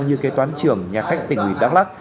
như kế toán trưởng nhà khách tỉnh ủy đắk lắc